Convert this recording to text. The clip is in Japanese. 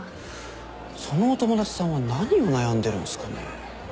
そのお友達さんは何を悩んでるんすかね？